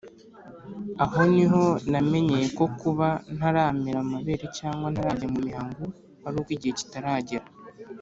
aho ni ho namenyeye ko kuba ntaramera amabere cyangwa ntarajya mu mihango aruko igihe kitaragera